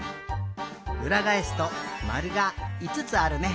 うらがえすとまるがいつつあるね。